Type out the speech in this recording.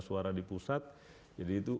suara di pusat jadi itu